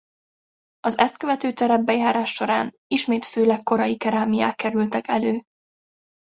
Az ezt követő terepbejárás során ismét főleg korai kerámiák kerültek elő.